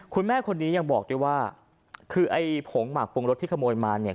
คุณแม่คนนี้ยังบอกด้วยว่าคือไอ้ผงหมากปรุงรสที่ขโมยมาเนี่ย